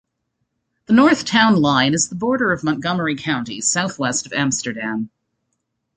The north town line is the border of Montgomery County, southwest of Amsterdam.